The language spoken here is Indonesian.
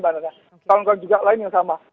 pak ananda kalian kalian juga lain yang sama